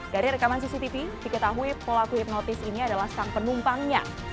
dari rekaman cctv diketahui pelaku hipnotis ini adalah sang penumpangnya